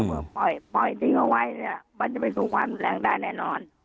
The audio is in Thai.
อืมถ้าพอปล่อยปล่อยทิ้งเอาไว้เนี่ยมันจะไปสู่ความหนุนแรงได้แน่นอน